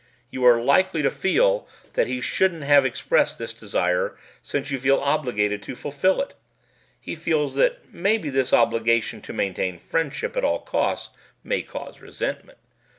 You are likely to feel that he shouldn't have expressed this desire since you feel obligated to fulfill it. He feels that maybe this obligation to maintain friendship at all costs may cause resentment.